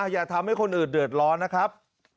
อย่าทำให้คนอื่นเดือดร้อนนะครับ